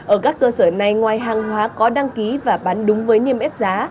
ở các cơ sở này ngoài hàng hóa có đăng ký và bán đúng với niêm yết giá